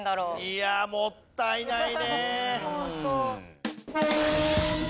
いやもったいないね。